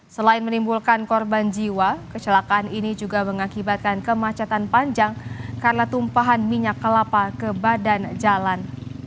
selain menimbulkan korban jiwa kecelakaan ini juga mengakibatkan kemacetan panjang karena tumpahan minyak kelapa ke badan jalan